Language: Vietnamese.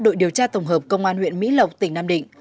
đội điều tra tổng hợp công an huyện mỹ lộc tỉnh nam định